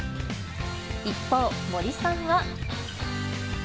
一方、森さんは。